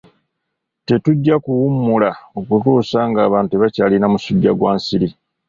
Tetujja kuwummula okutuusa ng'abantu tebakyalina musujja gwa nsiri.